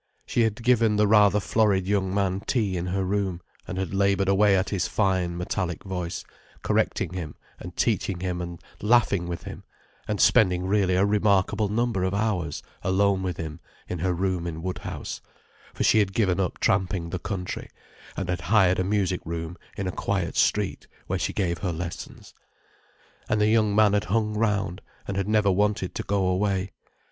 She had given the rather florid young man tea in her room, and had laboured away at his fine, metallic voice, correcting him and teaching him and laughing with him and spending really a remarkable number of hours alone with him in her room in Woodhouse—for she had given up tramping the country, and had hired a music room in a quiet street, where she gave her lessons. And the young man had hung round, and had never wanted to go away.